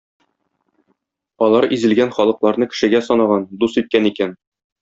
Алар изелгән халыкларны кешегә санаган, дус иткән икән.